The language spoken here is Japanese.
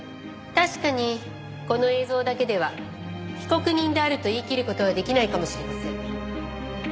確かにこの映像だけでは被告人であると言い切る事は出来ないかもしれません。